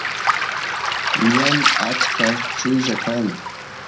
ñan ancha chulla kan